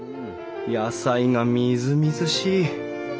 野菜がみずみずしい！